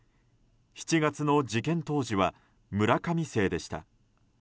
７月の事件当時は村上姓でした。